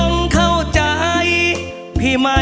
น้อยมอดเจ้าค่ำ